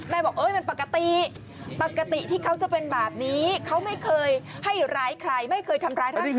บอกเอ้ยมันปกติปกติที่เขาจะเป็นแบบนี้เขาไม่เคยให้ร้ายใครไม่เคยทำร้ายร่างกาย